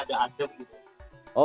biasanya agak adem gitu